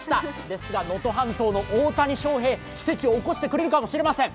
ですが、能登半島の大谷翔平、奇跡を起こしてくれるかもしれません。